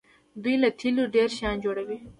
دوی له تیلو ډیر شیان جوړوي.